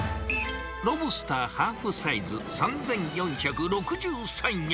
ロブスターハーフサイズ３４６３円。